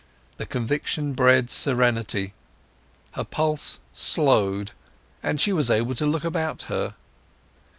The conviction bred serenity, her pulse slowed, and she was able to look about her.